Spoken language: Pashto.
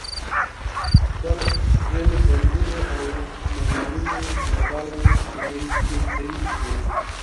پر ایلبندونو او میدانونو ولاړې تورې کېږدۍ وې.